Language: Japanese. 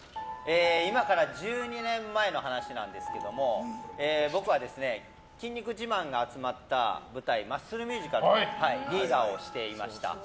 今から１２年前の話なんですけど僕は筋肉自慢が集まった舞台「マッスルミュージカル」のリーダーをしていました。